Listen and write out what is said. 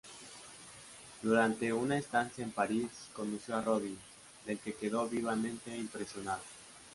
Durante una estancia en París conoció a Rodin, del que quedó vivamente impresionado.